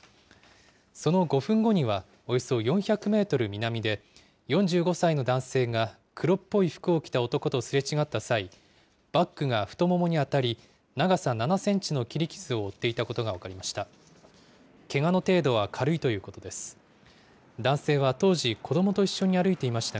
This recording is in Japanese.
その５分後には、およそ４００メートル南で、４５歳の男性が、黒っぽい服を着た男とすれ違った際、バックが太ももに当たり、長さ７センチの切り傷を負っていたことが分かりました。